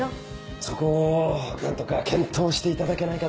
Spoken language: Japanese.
そこを何とか検討していただけないかと。